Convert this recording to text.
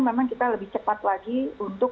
memang kita lebih cepat lagi untuk